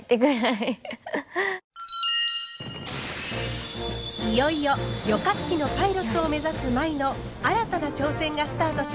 いよいよ旅客機のパイロットを目指す舞の新たな挑戦がスタートします。